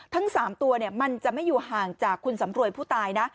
ทั้ง๓ตัวมันจะไม่อยู่ห่างจากคุณสำรวยผู้ตายนะ